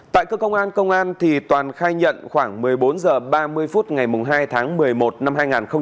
tại cơ công an công an thì toàn khai nhận khoảng một mươi bốn h ba mươi phút ngày hai tháng một mươi một năm hai nghìn hai mươi hai